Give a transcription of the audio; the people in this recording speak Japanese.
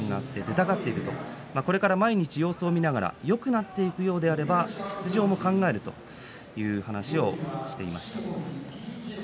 これから毎日、様子を見ながらよくなっていくようであれば出場も考えるという話をしていました。